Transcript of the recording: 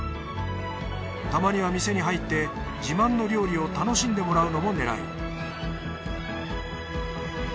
たまには店に入って自慢の料理を楽しんでもらうのも狙い